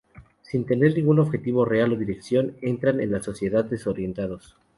Sin tener ningún objetivo real o dirección, entran en la sociedad, desorientados.